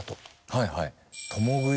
はいはい。